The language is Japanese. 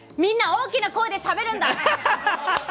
大きな声でしゃべるんだ！